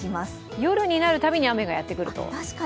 夜になるたびに雨がやってくると。